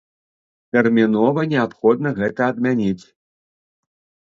Тэрмінова неабходна гэта адмяніць!